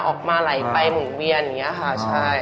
ออกมาไหลไปหมุนเวียนอย่างนี้ค่ะ